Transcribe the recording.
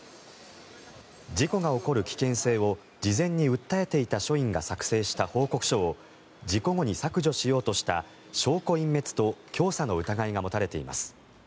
事故が起こる危険性を事前に訴えていた署員が作成した報告書を事故後に削除しようとした証拠隠滅と教唆の疑いが持たれています。